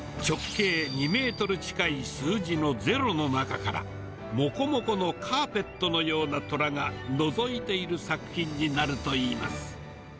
直径２メートル近い数字のゼロの中から、もこもこのカーペットのようなトラがのぞいている作品になるといいます。